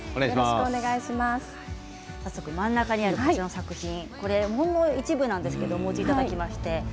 早速、真ん中にあるこちらの作品ほんの一部なんですけどお持ちいただきまして。